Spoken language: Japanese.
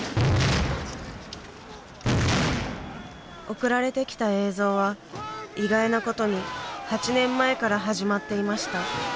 送られてきた映像は意外なことに８年前から始まっていました。